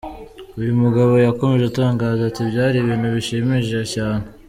Uyu mugabo yakomeje atangaza ati ’Byari ibintu bishimishije cyane.